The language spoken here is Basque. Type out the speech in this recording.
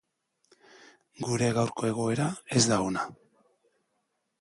Gure gaurko egoera ez da ona.